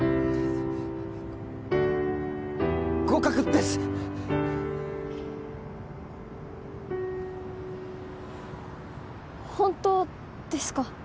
合格です本当ですか？